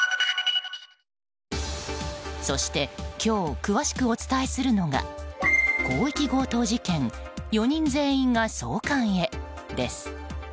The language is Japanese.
そして今日、詳しくお伝えするのが広域強盗事件４人全員が送還へです。